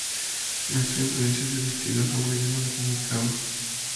Muestra influencias del estilo hawaiano denominado "slack key".